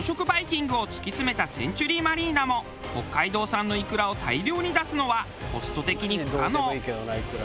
バイキングを突き詰めたセンチュリーマリーナも北海道産のいくらを大量に出すのはコスト的に不可能。